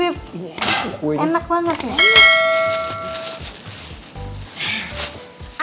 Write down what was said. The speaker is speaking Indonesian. enak banget sih